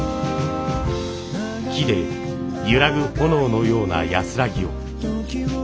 木でゆらぐ炎のような安らぎを。